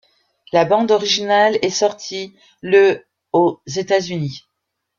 La bande originale est sorti le aux États-Unis.